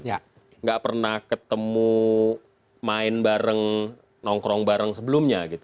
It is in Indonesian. tidak pernah ketemu main bareng nongkrong bareng sebelumnya